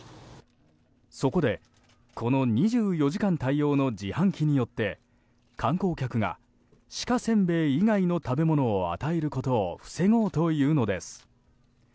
そこで、この２４時間対応の自販機によって観光客が鹿せんべい以外の食べ物を与えることを防ごうというのです。